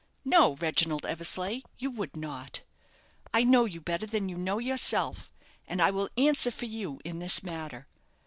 No, Reginald Eversleigh, you would not. I know you better than you know yourself, and I will answer for you in this matter.